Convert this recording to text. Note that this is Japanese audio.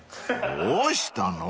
［どうしたの？］